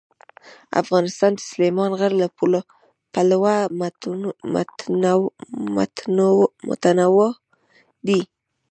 افغانستان د سلیمان غر له پلوه متنوع دی.